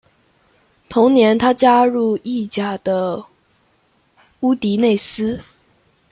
同年他加入意甲的乌迪内斯。